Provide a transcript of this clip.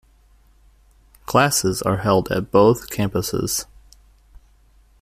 Classes are held at both campuses.